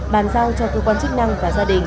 bàn giao cho cơ quan chức năng và gia đình